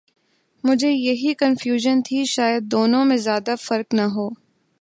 مجھے یہی کنفیوژن تھی شاید دونوں میں زیادہ فرق نہ ہو۔۔